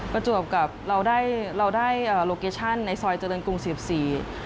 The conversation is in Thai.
ประจวบกับเราได้โลเกชชั่นในซอยเจริญกรุงสิบสี่